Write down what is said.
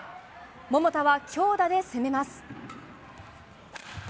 桃田は強打で攻めます。